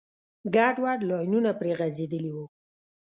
ګډوډ لاینونه پرې غځېدلي وو.